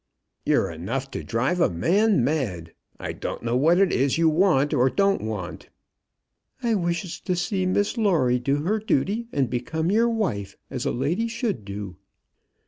"You're enough to drive a man mad. I don't know what it is you want, or you don't want." "I wishes to see Miss Lawrie do her dooty, and become your wife, as a lady should do.